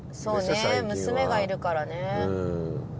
そうねぇ娘がいるからねぇ。